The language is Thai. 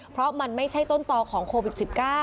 เพราะมันไม่ใช่ต้นต่อของโควิด๑๙